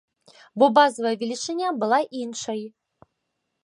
Бо базавая велічыня была іншай.